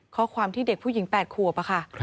ข้อความที่เด็กผู้หญิง๘ขวบค่ะ